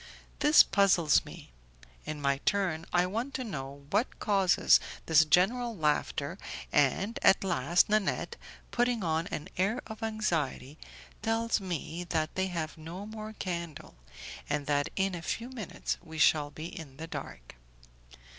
This puzzles me. In my turn, I want to know what causes this general laughter, and at last Nanette, putting on an air of anxiety, tells me that they have no more candle, and that in a few minutes we shall be in the dark.